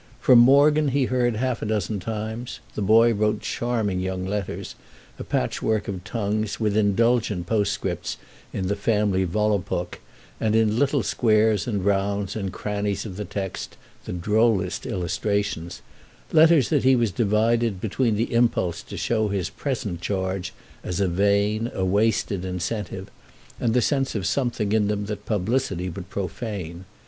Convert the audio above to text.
From Morgan he heard half a dozen times: the boy wrote charming young letters, a patchwork of tongues, with indulgent postscripts in the family Volapuk and, in little squares and rounds and crannies of the text, the drollest illustrations—letters that he was divided between the impulse to show his present charge as a vain, a wasted incentive, and the sense of something in them that publicity would profane.